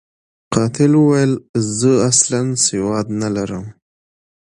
قاتل ویل، زه اصلاً سواد نلرم.